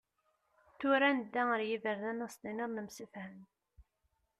Tura, nedda ar yiberdan, Ad as-tiniḍ nemsefham.